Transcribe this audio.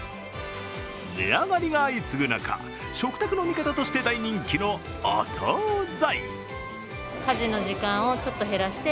値上がりが相次ぐ中、食卓の味方として大人気のお総菜。